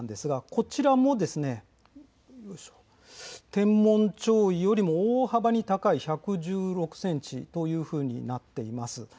こちらも天文潮位よりも大幅に高い１１６センチとなっています。